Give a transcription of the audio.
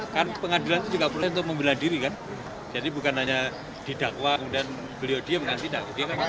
kan pengadilan itu juga boleh untuk membela diri kan jadi bukan hanya didakwa kemudian beliau diem kan tidak